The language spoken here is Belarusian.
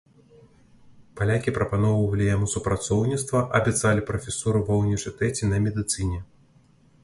Палякі прапаноўвалі яму супрацоўніцтва, абяцалі прафесуру ва універсітэце на медыцыне.